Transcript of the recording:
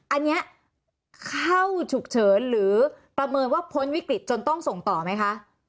อันนี้เข้าฉุกเฉินหรือประเมินว่าพ้นวิกฤตจนต้องส่งต่อไหมคะ